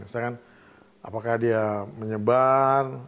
misalkan apakah dia menyebar